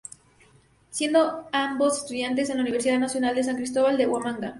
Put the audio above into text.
Siendo ambos estudiantes en la Universidad Nacional San Cristóbal de Huamanga.